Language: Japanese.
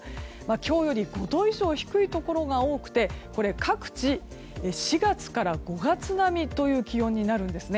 今日より５度以上低いところが多くて各地４月から５月並みの気温になります。